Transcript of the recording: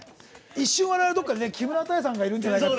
一瞬、われわれはどこかで木村多江さんがいるんじゃないかって。